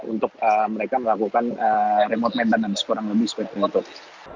untuk mereka melakukan remote maintenance kurang lebih seperti itu